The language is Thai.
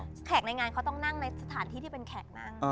แขกในงานเขาต้องนั่งในสถานที่ที่เป็นแขกนั่ง